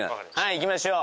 いきましょう。